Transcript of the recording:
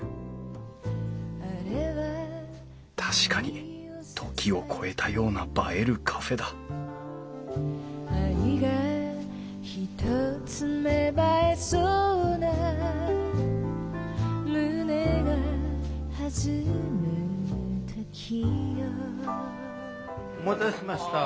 確かに「時を超えたような映えるカフェ」だお待たせしました。